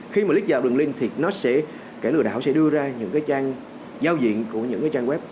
khi mà lết dạo đường link thì nó sẽ kẻ lừa đảo sẽ đưa ra những cái trang giao diện của những cái trang web